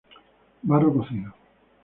Barro cocido.